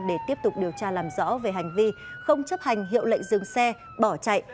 để tiếp tục điều tra làm rõ về hành vi không chấp hành hiệu lệnh dừng xe bỏ chạy